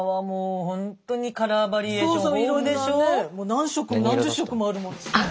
何色も何十色もあるものね。